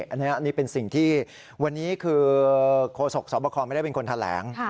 อันนี้เป็นสิ่งที่วันนี้คือโคศกสวบคไม่ได้เป็นคนแถลง